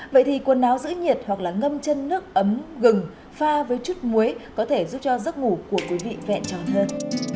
vậy thì quần áo giữ nhiệt hoặc là ngâm chân nước ấm gừng pha với chút muối có thể giúp cho giấc ngủ của quý vị vẹn tròn hơn